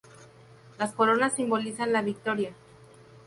Las coronas simbolizan la victoria.